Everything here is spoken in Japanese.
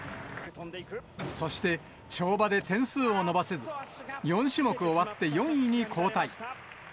そして跳馬で点数を伸ばせず、４種目終わって４位に後退。